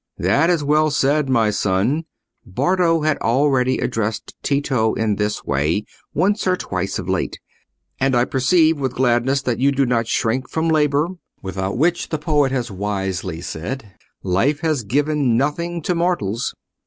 "That is well said, my son." Bardo had already addressed Tito in this way once or twice of late. "And I perceive with gladness that you do not shrink from labour, without which, the poet has wisely said, life has given nothing to mortals.